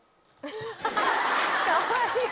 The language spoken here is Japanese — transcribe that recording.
かわいい。